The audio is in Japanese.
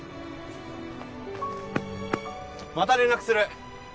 また連絡する！